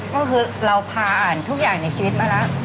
ก็คือเราพาอ่านทุกอย่างในชีวิตมาแล้ว